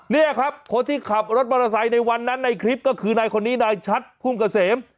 นี่ครับคนที่ขับรถมอเตอร์ไซค์ในวันนั้นในคลิปก็คือนายคนนี้นายชัดพุ่มเกษม